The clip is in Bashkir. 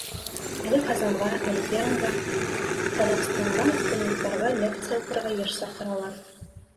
Әле Ҡазанға, әле Пермгә, Ҡаҙағстанға студенттарға лекция уҡырға йыш саҡыралар.